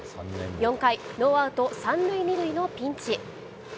４回、ノーアウト３塁２塁のピンチ。